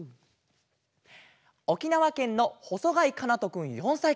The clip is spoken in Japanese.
おきなわけんのほそがいかなとくん４さいから。